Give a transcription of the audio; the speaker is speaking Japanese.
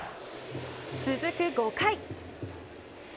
続く５回。